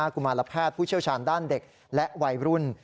กุมารแพทย์ผู้เชี่ยวชาญด้านเด็กและวัยรุ่น